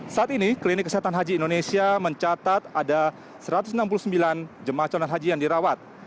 saat ini klinik kesehatan haji indonesia mencatat ada satu ratus enam puluh sembilan jemaah calon haji yang dirawat